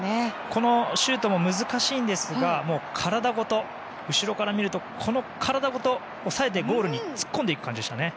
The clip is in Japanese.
このシュートも難しいんですが後ろから見ると体ごと押さえてゴールに突っ込んでいく感じでしたね。